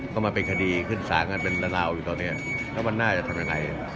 ก็มาเป็นคดีขึ้นสารกันเป็นราวอยู่ตอนนี้แล้วมันน่าจะทำยังไง